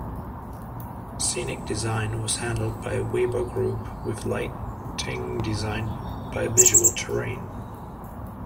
Scenic design was handled by Weber Group with lighting designed by Visual Terrain.